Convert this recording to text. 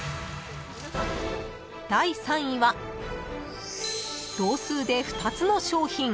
［第３位は同数で２つの商品］